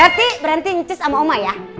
berarti berarti ncus sama omah ya